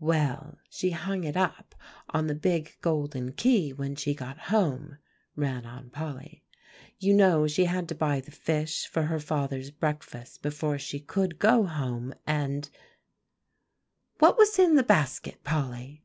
"Well, she hung it up on the big golden key when she got home," ran on Polly; "you know she had to buy the fish for her father's breakfast before she could go home, and" "What was in the basket, Polly?"